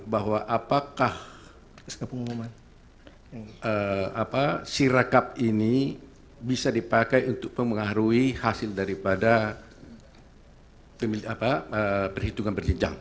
bahwa apakah pengumuman sirakap ini bisa dipakai untuk pengaruhi hasil daripada perhitungan berjenjang